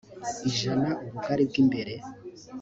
ijana ubugari bw imbere